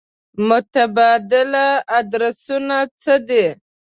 متبادل ادرسونه څه دي.